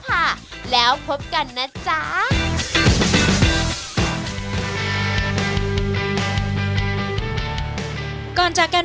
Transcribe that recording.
วันนี้ขอบคุณพี่อมนต์มากเลยนะครับ